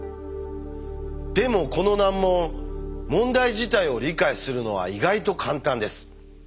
でもこの難問問題自体を理解するのは意外と簡単です。